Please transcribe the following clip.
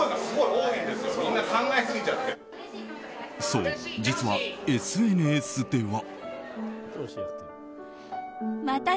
そう、実はＳＮＳでは。